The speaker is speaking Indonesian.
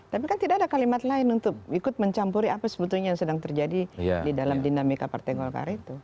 tapi kan tidak ada kalimat lain untuk ikut mencampuri apa sebetulnya yang sedang terjadi di dalam dinamika partai golkar itu